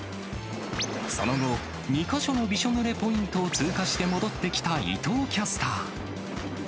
その後、２か所のびしょぬれポイントを通過して戻ってきた伊藤キャスター。